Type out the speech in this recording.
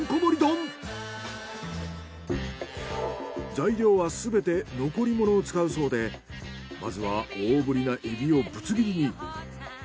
材料はすべて残り物を使うそうでまずは大ぶりなエビをぶつ切りに。